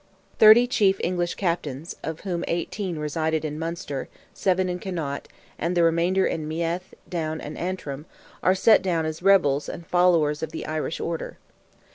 Thirty chief English captains, of whom eighteen resided in Munster, seven in Connaught, and the remainder in Meath, Down, and Antrim, are set down as "rebels" and followers of "the Irish order."